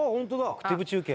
アクティブ中継。